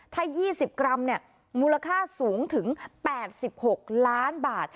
ถ้า๒๐กรัมมูลค่าสูงถึง๘๖ล้านบาท